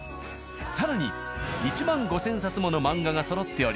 更に１万５０００冊もの漫画がそろっており。